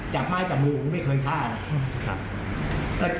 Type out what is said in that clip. ไม้จับมือผมไม่เคยฆ่านะครับ